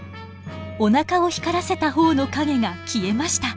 おなかを光らせた方の影が消えました。